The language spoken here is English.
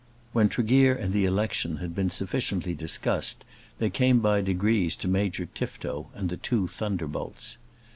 When Tregear and the election had been sufficiently discussed, they came by degrees to Major Tifto and the two thunderbolts.